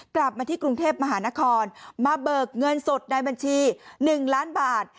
กลับมาที่กรุงเทพมหานครมาเบิกเงินสดในบัญชี๑ล้านบาท